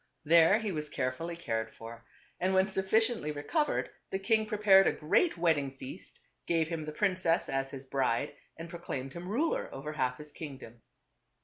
There he was carefully cared for and when sufficiently re 302 TWO BE 0 THEE S. covered, the king prepared a great wedding feast, gave him the princess as his bride, and proclaimed him ruler over half his kingdom.